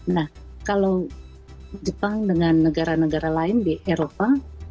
nah kalau jepang dengan negara negara lain di eropa